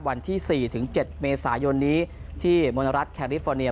วันที่๔๗เมษายนนี้ที่มณรัฐแคลิฟอร์เนีย